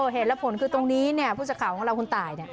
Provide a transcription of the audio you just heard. เหตุและผลคือตรงนี้พอของเราคุณตาย